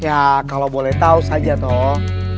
ya kalau boleh tau saja toh